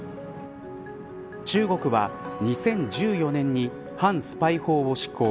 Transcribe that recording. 中国は２０１４年に反スパイ法を施行。